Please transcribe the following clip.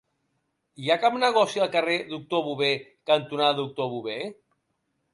Hi ha algun negoci al carrer Doctor Bové cantonada Doctor Bové?